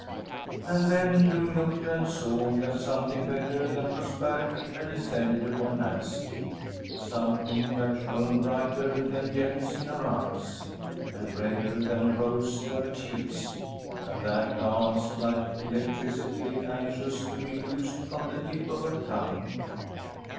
‚ÄĚ And then Lou looked, and saw that something better than prosperity had descended upon Nancy‚ÄĒsomething that shone brighter than gems in her eyes and redder than a rose in her cheeks, and that danced like electricity anxious to be loosed from the tip of her tongue.